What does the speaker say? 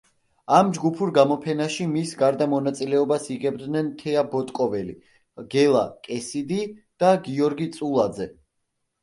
ამ ჯგუფურ გამოფენაში, მის გარდა მონაწილეობას იღებდნენ თეა ბოტკოველი, გელა კესიდი და გიორგი წულაძე.